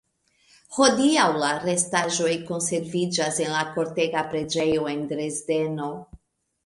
Hodiaŭ la restaĵoj konserviĝas en la Kortega preĝejo en Dresdeno.